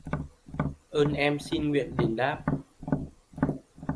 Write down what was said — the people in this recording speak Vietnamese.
Ơn em xin nguyện đáp đền